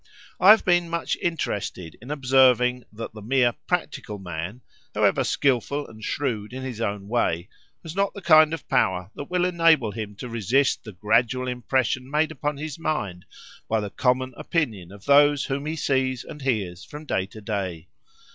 I have been much interested in observing that the mere "practical man," however skilful and shrewd in his own way, has not the kind of power that will enable him to resist the gradual impression made upon his mind by the common opinion of those whom he sees and hears from day to day.